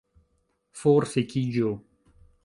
Forfikiĝu